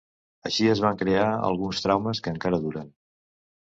Així es van crear alguns traumes que encara duren.